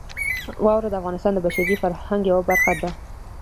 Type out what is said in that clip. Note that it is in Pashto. واوره د افغانستان د بشري فرهنګ یوه برخه ده.